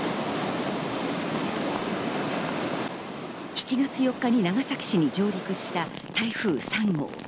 ７月４日に長崎市に上陸した台風３号。